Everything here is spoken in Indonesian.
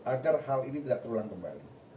agar hal ini tidak terulang kembali